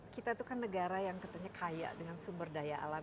kita itu kan negara yang katanya kaya dengan sumber daya alam